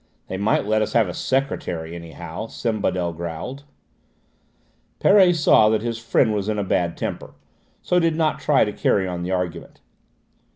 "They might let us have a secretary, anyhow," Sembadel growled. Perret saw that his friend was in a bad temper, so did not try to carry on the argument.